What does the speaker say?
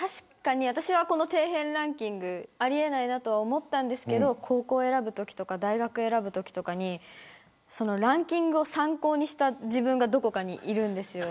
私は、この底辺ランキングあり得ないなと思っていたんですけど高校を選ぶときとか大学を選ぶときとかにランキングを参考にした自分がどこかにいるんですよ。